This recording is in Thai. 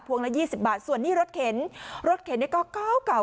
พวงละ๒๐บาทส่วนนี่รถเข็นรถเข็นนี่ก็เก่า